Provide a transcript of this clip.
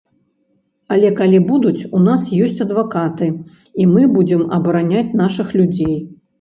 Але калі будуць, у нас ёсць адвакаты, і мы будзем абараняць нашых людзей.